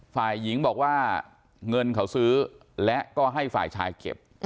ฝ่ายหญิงบอกว่าเงินเขาซื้อและก็ให้ฝ่ายชายเก็บ